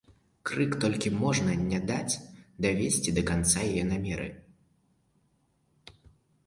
Крык толькі можа не даць давесці да канца яе намеры.